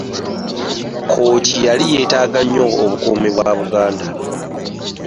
Kkooki yali yeetaaga nnyo obukuumi bwa Buganda.